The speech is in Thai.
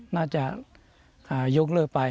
น่าจะยกเลิกไป